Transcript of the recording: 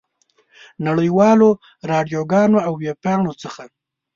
نړۍ والو راډیوګانو او ویبپاڼو څخه.